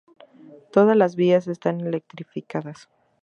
Todas las vías están electrificadas.